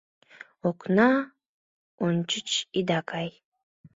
Окна ончыч ида кай -